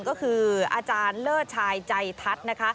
ก็คืออาจารย์เลอร์ชายใจทัศน์